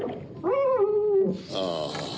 ああ。